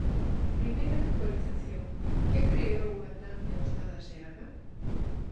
Primeira puntualización: ¿quen creou a tan deostada Seaga?